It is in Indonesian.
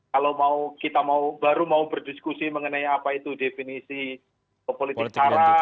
kalau kita baru mau berdiskusi mengenai apa itu definisi politik cara